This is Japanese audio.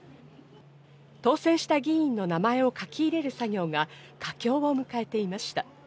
当選した議員の名前を書き入れる作業が佳境を迎えていました。